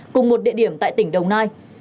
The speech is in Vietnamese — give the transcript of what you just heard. cùng một địa điểm tại tỉnh đồng nai